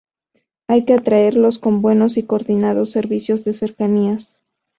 hay que atraerlos con buenos y coordinados servicios de cercanías